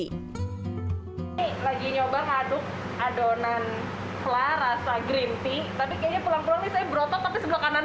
ini lagi nyoba aduk adonan telah rasa green tea tapi kayaknya pulang pulang ini saya berotot tapi sebelah kanan doang